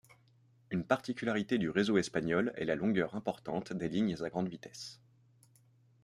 Une particularité du réseau espagnol est la longueur importante de lignes à grande vitesse.